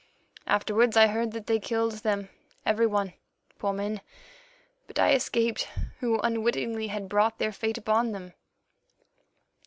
Afterwards I heard that they killed them every one, poor men, but I escaped, who unwittingly had brought their fate upon them.